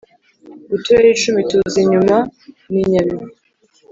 Uturere icumi tuza inyuma ni Nyabihu